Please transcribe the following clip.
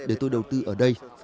người tôi đầu tư ở đây